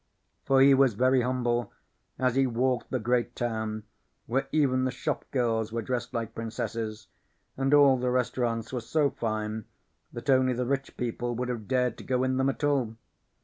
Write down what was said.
For he was very humble as he walked the great town where even the shop girls were dressed like princesses, and all the restaurants were so fine that only the rich people would have dared to go in them at all.